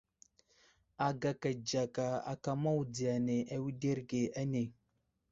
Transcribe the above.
Agaka dzəka aka mawudiya ane awuderge ane .